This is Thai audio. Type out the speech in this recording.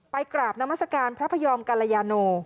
ไปกราบนามศการพระพยอมกัลยานู